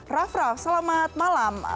raff raff selamat malam